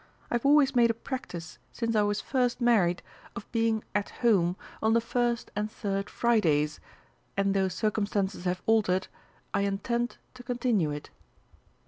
I have always made a practice since I was first married of being 'at Home' on the first and third Fridays, and though circumstances have altered, I intend to continue it."